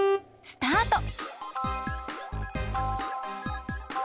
スタート！